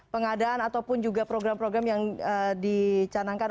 pengadaan ataupun juga program program yang dicanangkan